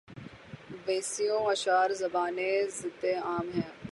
بیسیوں اشعار زبانِ زدِ عام ہیں